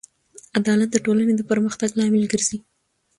عدالت د ټولنې د پرمختګ لامل ګرځي.